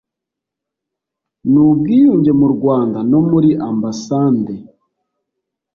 n ubwiyunge mu rwanda no muri ambasande